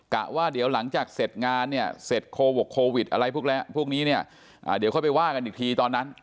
ว่าเดี๋ยวหลังจากเสร็จงานเนี่ยเสร็จโควิดอะไรพวกนี้เนี่ยเดี๋ยวค่อยไปว่ากันอีกทีตอนนั้น